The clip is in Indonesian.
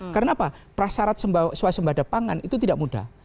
karena apa prasarat suah sembada pangan itu tidak mudah